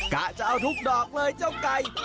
กะจะเอาทุกดอกเลยเจ้าไก่